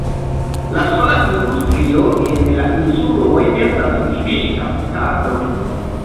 La sola industrio en la insuloj estas fiŝkaptado.